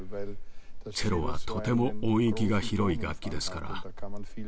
チェロはとても音域が広い楽器ですから。